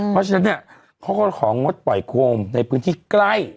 เพราะฉะนั้นเนี่ยเขาก็ของงดปล่อยโคมในพื้นที่ใกล้